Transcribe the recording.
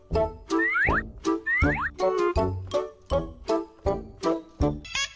โปรดติดตามตอนต่อไป